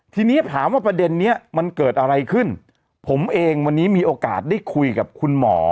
ทีนี้ถามว่าประเด็นนี้มันเกิดอะไรขึ้นผมเองวันนี้มีโอกาสได้คุยกับคุณหมอ